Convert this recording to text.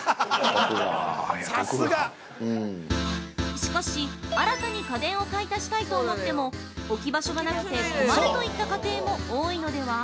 ◆しかし、新たに家電を買い足したいと思っても置き場所がなくて困るといった家庭も多いのでは？